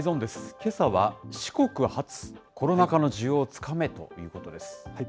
けさは四国発コロナ禍の需要をつかめ！ということです。